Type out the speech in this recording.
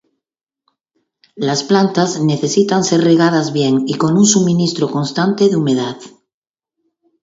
Las plantas necesitan ser regadas bien y con un suministro constante de humedad.